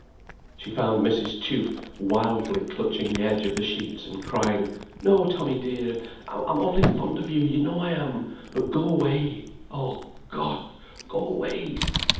She found Mrs. Tuke wildly clutching the edge of the sheets, and crying: "No, Tommy dear. I'm awfully fond of you, you know I am. But go away. Oh God, go away.